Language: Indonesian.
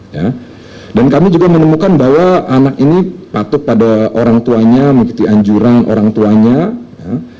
ya dan kami juga menemukan bahwa anak ini patuh pada orang tuanya mengikuti anjuran orang tuanya ya